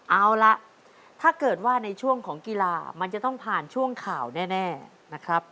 เอาล่ะถ้าเกิดว่าในช่วงของกีฬามันจะต้องผ่านช่วงข่าวแน่นะครับ